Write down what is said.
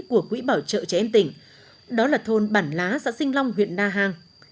của quỹ bảo trợ trẻ em tỉnh đó là thôn bản lá xã sinh long huyện na hàng